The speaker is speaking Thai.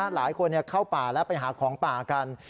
หลายคนเข้าป่าแล้วไปหาของป่ากัน